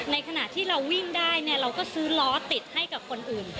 ขณะที่เราวิ่งได้เราก็ซื้อล้อติดให้กับคนอื่น